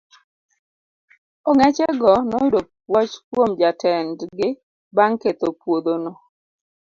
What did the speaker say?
Ong'eche go noyudo puoch kuom jatend gi bang' ketho puodhono.